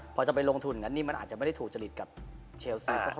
พอจะไปลงทุนอย่างนั้นนี่มันอาจจะไม่ได้ถูกจริตกับเชลซีสัก